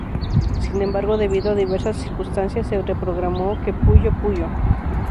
Sin embargo, debido a diversas circunstancias, se reprogramó que "Puyo Puyo!!